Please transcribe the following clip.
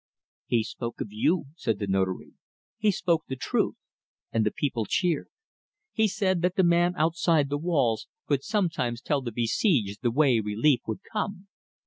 "He spoke of you," said the Notary "he spoke the truth; and the people cheered. He said that the man outside the walls could sometimes tell the besieged the way relief would come.